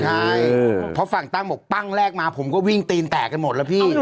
ใช่เพราะฝั่งตั้งบอกปั้งแรกมาผมก็วิ่งตีนแตกกันหมดแล้วพี่